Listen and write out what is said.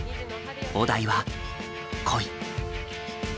お題は「恋」。